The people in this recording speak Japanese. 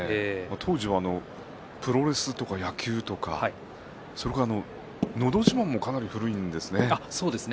当時はプロレスとか野球とかそれから「のど自慢」もかなり古いんですよね。